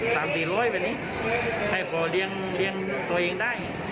สามสี่ร้อยบอร์นี้ให้คนก็เลียนตัวเองได้